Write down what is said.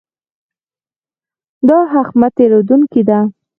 دا هښمه تېرېدونکې ده.